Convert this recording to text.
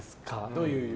どういう夢？